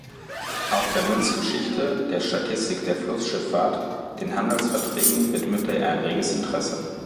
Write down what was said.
Auch der Münzgeschichte, der Statistik der Flussschifffahrt, den Handelsverträgen widmete er ein reges Interesse.